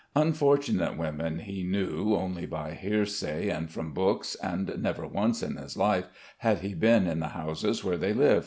Unfortunate women he knew only by hearsay and from books, and never once in his life had he been in the houses where they live.